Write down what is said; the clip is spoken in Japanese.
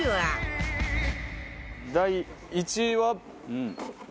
第１位は